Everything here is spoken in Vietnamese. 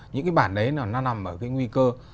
những cái bản đấy nó nằm ở cái nguy cơ